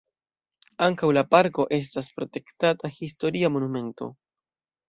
Ankaŭ la parko estas protektata historia monumento.